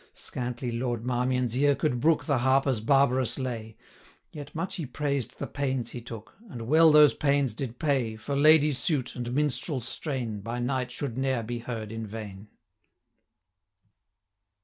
Scantly Lord Marmion's ear could brook The harper's barbarous lay; Yet much he praised the pains he took, And well those pains did pay 210 For lady's suit, and minstrel's strain, By knight should ne'er be heard in vain, XIV.